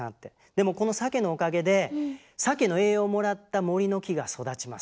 でもこのサケのおかげでサケの栄養をもらった森の木が育ちます。